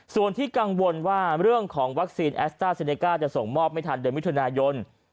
ส่วนที่กังวลว่าเรื่องของวัคซีนแอสต้าเซเนก้าจะส่งมอบไม่ทันเดือนมิถุนายน